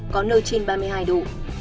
khu vực nam bộ